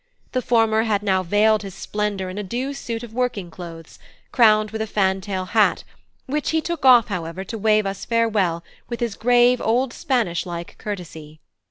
The former had now veiled his splendour in a due suit of working clothes, crowned with a fantail hat, which he took off, however, to wave us farewell with his grave old Spanish like courtesy.